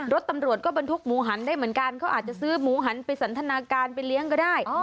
รถตำรวจก็บรรทุกหมูหันได้เหมือนกันเขาอาจจะซื้อหมูหันไปสันทนาการไปเลี้ยงก็ได้